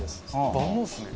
万能ですね。